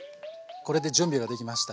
これで準備ができました。